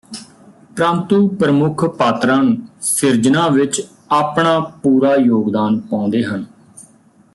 ਪਰੰਤੂ ਪ੍ਰਮੁੱਖ ਪਾਤਰਾਂ ਨੂੰ ਸਿਰਜਨਾ ਵਿਚ ਆਪਣਾ ਪੂਰਾ ਯੋਗਦਾਨ ਪਾਉਂਦੇ ਹਨ